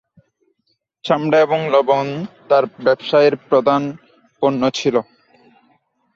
চামড়া এবং লবণ তার ব্যবসায়ের প্রধান পণ্য ছিল।